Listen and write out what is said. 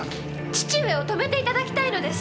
父上を止めていただきたいのです。